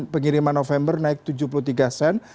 pengiriman november naik tujuh puluh tiga sen